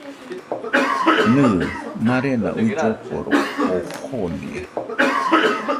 Nɨ, marena uilloforo oo jonia